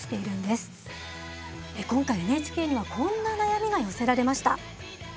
今回ＮＨＫにはこんな悩みが寄せられました。